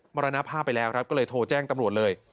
มรณภาพไปแล้วครับก็เลยโทรแจ้งตำรวจเลย